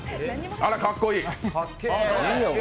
あら、かっこいい。